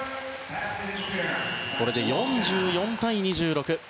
これで４４対２６。